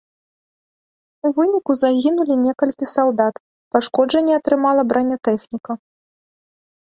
У выніку загінулі некалькі салдат, пашкоджанні атрымала бранятэхніка.